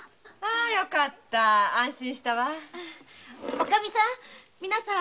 おカミさん皆さん